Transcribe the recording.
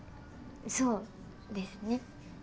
そうですね。